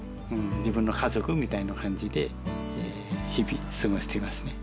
自分の家族みたいな感じで日々過ごしてますね。